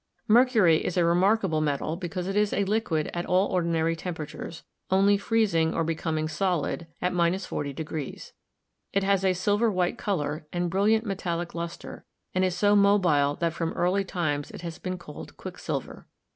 Mercury is a remarkable metal, because it is a liquid at all ordinary temperatures, only freezing, or becoming solid, at — 40 . It has a silver white color and brilliant metallic luster, and is so mobile that from early times it has been called 'quicksilver.'